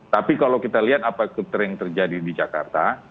tapi kalau kita lihat apa yang terjadi di jakarta